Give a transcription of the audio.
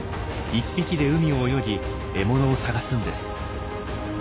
１匹で海を泳ぎ獲物を探すんです。